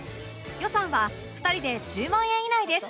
予算は２人で１０万円以内です